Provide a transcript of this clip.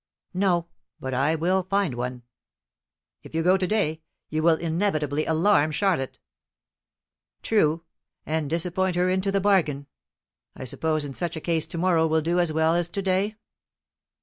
"No; but I will find one." "If you go today, you will inevitably alarm Charlotte." "True; and disappoint her into the bargain. I suppose in such a case tomorrow will do as well as to day?"